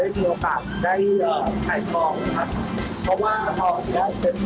เพราะว่าเธอจะได้เชิญของธุรกิจธรรมยาผม